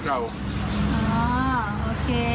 หอโอเค